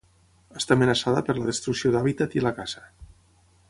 Està amenaçada per la destrucció d'hàbitat i la caça.